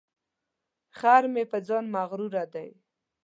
خر مې په ځان مغروره دی.